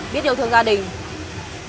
biết yêu thương gia đình